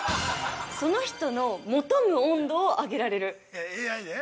その人の求む温度をあげられる。